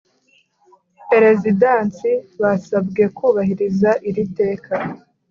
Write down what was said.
Perezidansi basabwe kubahiriza iri teka